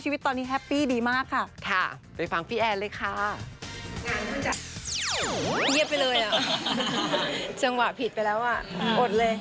เวลาผิดไปแล้วอ่ะอดเลย